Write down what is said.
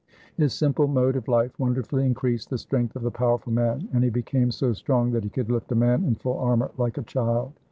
His simple mode of life wonderfully increased the strength of the powerful man, and he became so strong that he could lift a man in full armor like a child.